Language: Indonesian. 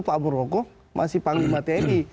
pak muldoko masih panglima tni